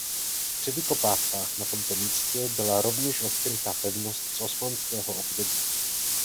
Při vykopávkách na tomto místě byla rovněž odkryta pevnost z osmanského období.